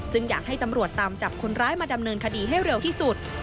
อยากให้ตำรวจตามจับคนร้ายมาดำเนินคดีให้เร็วที่สุด